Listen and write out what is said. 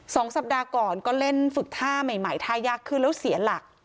สองสัปดาห์ก่อนก็เล่นฝึกท่าใหม่ใหม่ท่ายากขึ้นแล้วเสียหลัก